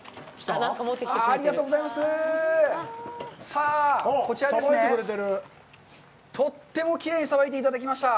さあ、こちらですね、とってもきれいにさばいていただきました。